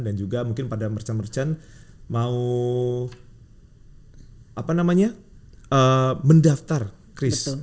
dan juga mungkin pada merchant merchant mau apa namanya mendaftar kris